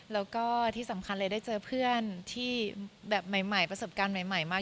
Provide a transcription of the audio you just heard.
แล้วก็ที่สำคัญเลยได้เจอเพื่อนที่แบบใหม่ประสบการณ์ใหม่มาก